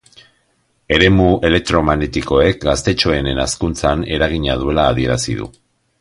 Eremu elektromagnetikoek gaztetxoenen hazkuntzan eragina duela adierazi du.